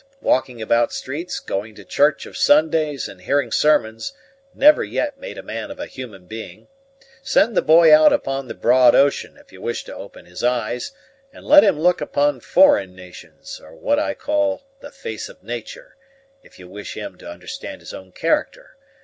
Walking about streets, going to church of Sundays, and hearing sermons, never yet made a man of a human being. Send the boy out upon the broad ocean, if you wish to open his eyes, and let him look upon foreign nations, or what I call the face of nature, if you wish him to understand his own character.